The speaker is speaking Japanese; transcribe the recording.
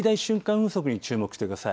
風速に注目してください。